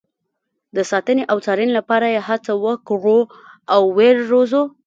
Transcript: د ساتنې او څارنې لپاره یې هڅه وکړو او ویې روزو.